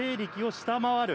下回る？